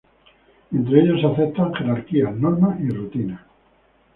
Entre ellos se aceptan jerarquías, normas y rutinas.